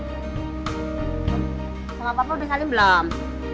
gak apa apa udah saling belom